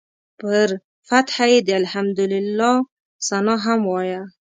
پر فتحه یې د الحمدلله ثناء هم وایه.